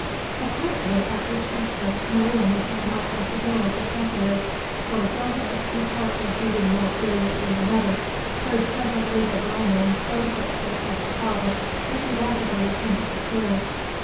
Apparently at this juncture, Maria must have knocked at the door of the tapperij, for Gilda, whose heart was beating more furiously than ever, heard presently the well known firm footsteps of her father as he rapidly ascended the stairs.